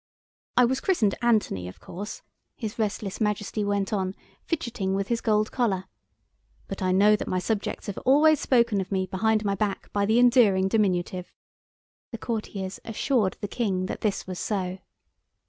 "I was christened Anthony, of course," his restless Majesty went on, fidgeting with his gold collar; "but I know that my subjects have always spoken of me behind my back by the endearing diminutive." The courtiers assured the King that this was so.